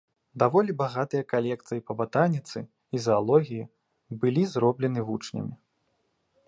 Даволі багатыя калекцыі па батаніцы і заалогіі былі зроблены вучнямі.